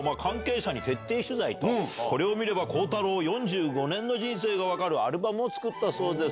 これを見れば孝太郎４５年の人生が分かるアルバムを作ったそうです。